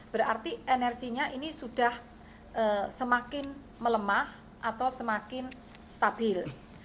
berarti energinya ini sudah semakin melemah atau semakin stabil